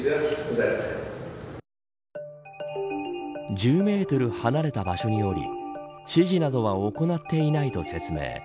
１０メートル離れた場所におり指示などは行っていないと説明。